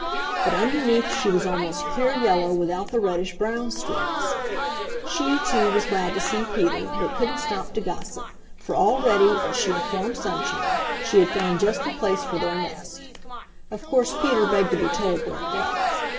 But underneath she was almost clear yellow without the reddish brown streaks. She too was glad to see Peter but couldn't stop to gossip, for already, as she informed Sunshine, she had found just the place for their nest. Of course Peter begged to be told where it was.